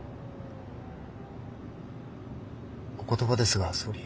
お言葉ですが総理。